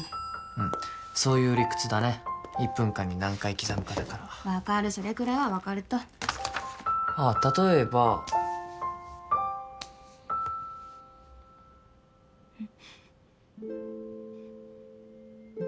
うんそういう理屈だね１分間に何回刻むかだから分かるそれくらいは分かるとああ例えばうん？